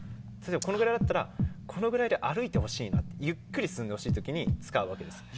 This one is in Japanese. このぐらいだったらこのぐらいで歩いてほしいなとかゆっくり進んでほしい時に使うわけです。